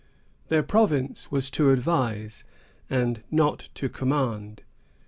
Their province was to advise, and not to command.